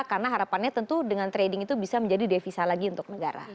karena harapannya tentu dengan trading itu bisa menjadi devisa lagi untuk negara